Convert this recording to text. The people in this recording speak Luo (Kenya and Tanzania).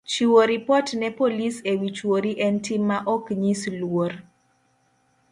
Chiwo ripot ne polis e wi chwori en tim ma ok nyis luor